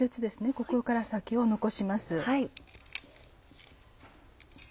ここから先を残します。